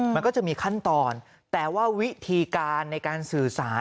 มันก็จะมีขั้นตอนแต่ว่าวิธีการในการสื่อสาร